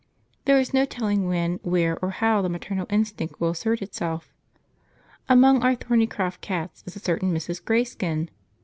jpg} There is no telling when, where, or how the maternal instinct will assert itself. Among our Thornycroft cats is a certain Mrs. Greyskin.